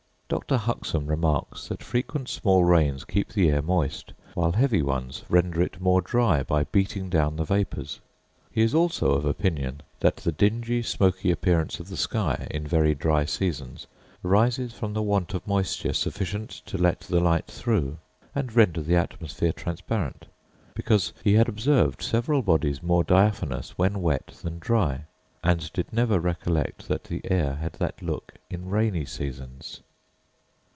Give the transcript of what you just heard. Dr. Huxham remarks, that frequent small rains keep the air moist; while heavy ones render it more dry, by beating down the vapours. He is also of opinion that the dingy, smoky appearance of the sky, in very dry seasons, arises from the want of moisture sufficient to let the light through, and render the atmosphere transparent; because he had observed several bodies more diaphanous when wet than dry; and did never recollect that the air had that look in rainy seasons.